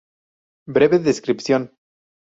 Breve descripción